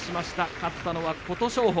勝ったのは琴勝峰。